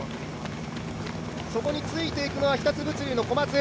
そこについているのが日立物流の小松。